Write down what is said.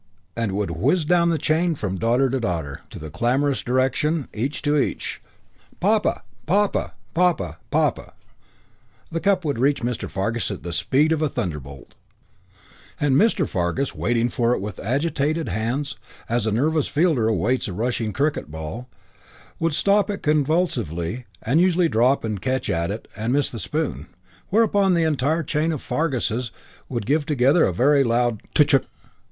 and it would whiz down the chain from daughter to daughter to the clamorous direction, each to each, "Papa! Papa! Papa! Papa!" The cup would reach Mr. Fargus at the speed of a thunderbolt; and Mr. Fargus, waiting for it with agitated hands as a nervous fielder awaits a rushing cricket ball, would stop it convulsively and usually drop and catch at and miss the spoon, whereupon the entire chain of Farguses would give together a very loud "Tchk!"